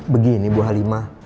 begini bu halimah